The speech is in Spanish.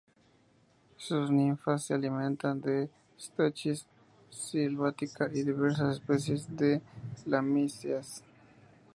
Sus ninfas se alimentan de "Stachys sylvatica" y diversas especies de lamiáceas.